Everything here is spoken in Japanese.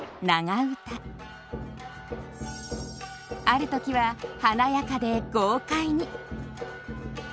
ある時は華やかで豪快に。